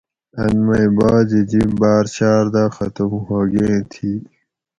ان مئی بعضی جِب باۤر شاۤردہ ختم ہوگیں تھی